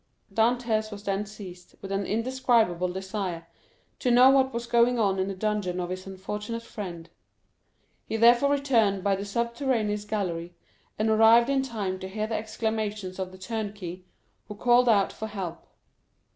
Dantès was then seized with an indescribable desire to know what was going on in the dungeon of his unfortunate friend. He therefore returned by the subterraneous gallery, and arrived in time to hear the exclamations of the turnkey, who called out for help.